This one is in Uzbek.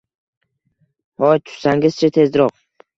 — Hoy, tushsangiz-chi, tezroq!